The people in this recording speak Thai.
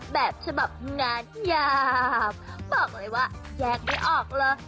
แบบฉบับงานยาวบอกเลยว่าแยกไม่ออกเลย